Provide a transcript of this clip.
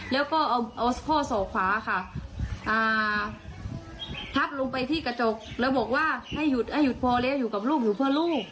แล้วก็เอาข้อศอกขวาค่ะพับลงไปที่กระจกแล้วบอกว่าให้หยุดให้หยุดพอแล้วอยู่กับลูกอยู่เพื่อลูก